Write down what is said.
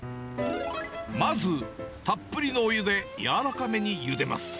まず、たっぷりのお湯で柔らかめにゆでます。